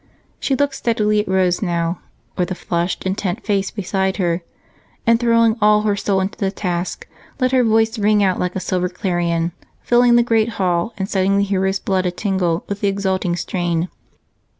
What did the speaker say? She looked steadily at Rose now, or the flushed, intent face beside her, and throwing all her soul into the task, let her voice ring out like a silver clarion, filling the great hall and setting the hearers' blood a tingle with the exulting strain.